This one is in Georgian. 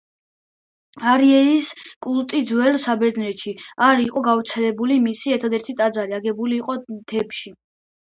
არესის კულტი ძველ საბერძნეთში არ იყო გავრცელებული, მისი ერთადერთი ტაძარი აგებული იყო თებეში.